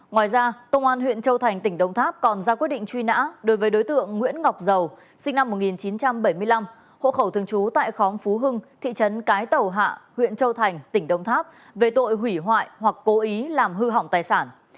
ngoài ra công an huyện châu thành tỉnh đồng tháp còn ra quyết định truy nã đối với đối tượng nguyễn ngọc giàu sinh năm một nghìn chín trăm bảy mươi năm hộ khẩu thường trú tại khóm phú hưng thị trấn cái tàu hạ huyện châu thành tỉnh đông tháp về tội hủy hoại hoặc cố ý làm hư hỏng tài sản